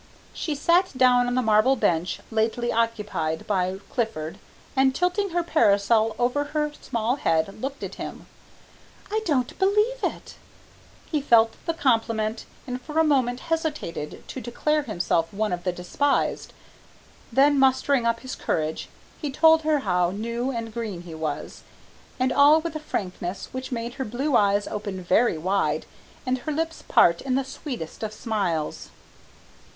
She sat down on the marble bench lately occupied by Clifford, and tilting her parasol over her small head looked at him. "I don't believe it." He felt the compliment, and for a moment hesitated to declare himself one of the despised. Then mustering up his courage, he told her how new and green he was, and all with a frankness which made her blue eyes open very wide and her lips part in the sweetest of smiles.